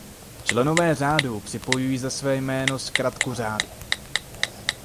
Členové řádu připojují za své jméno zkratku řádu.